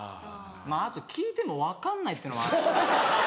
あと聞いても分かんないっていうのもある。